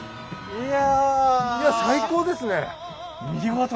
いや！